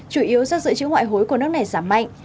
chủ yếu rác dự trữ ngoại hối của nước này giảm mạnh